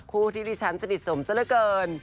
คู่ที่ดิฉันสนิทสมซะละเกิน